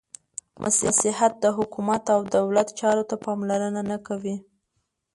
• مسیحیت د حکومت او دولت چارو ته پاملرنه نهکوي.